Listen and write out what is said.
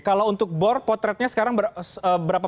kalau untuk bor potretnya sekarang berapa